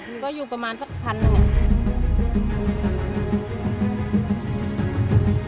มันก็อยู่ประมาณสักพันหนึ่ง